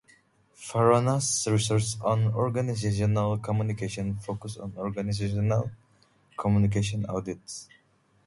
Varona’s research on organizational communication focused on organizational communication audits.